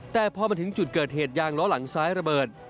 แต่พอมาถึงจุดเกิดเหตุยางล้อหลังซ้ายระเบิด